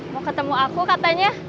mau ketemu aku katanya